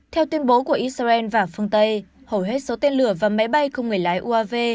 theo tuyên bố của israel và phương tây hầu hết số tên lửa và máy bay không người lái uav